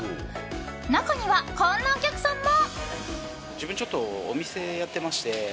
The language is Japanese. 中には、こんなお客さんも。